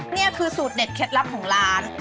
นี่คือสูตรเด็ดเคล็ดลับของร้าน